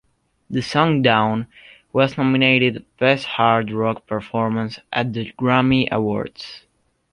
The song "Down" was nominated for Best Hard Rock Performance at the Grammy Awards.